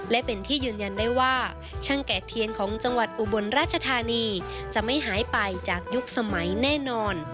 และเป็นที่ยืนยันได้ว่าช่างแกะเทียนของจังหวัดอุบลราชธานีจะไม่หายไปจากยุคสมัยแน่นอน